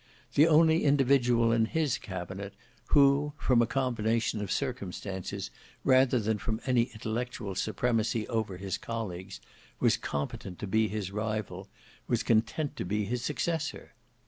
The only individual in his cabinet who, from a combination of circumstances rather than from any intellectual supremacy over his colleagues, was competent to be his rival, was content to be his successor.